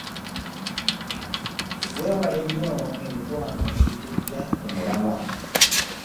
Weewale nnyo emikwano egikuggya ku mulamwa.